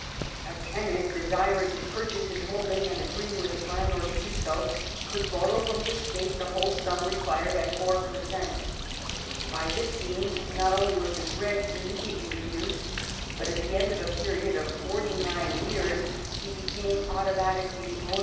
A tenant desiring to purchase his holding and agreeing with his landlord to do so could borrow from the State the whole sum required at 4 per cent. By this means not only was his rent immediately reduced,^ but at the end of a period of forty nine years he became automatically the owner of his farm.